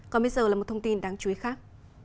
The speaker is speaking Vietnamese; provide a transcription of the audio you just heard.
còn bây giờ là một thông tin đáng chú ý khác